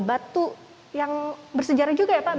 batu yang bersejarah juga ya pak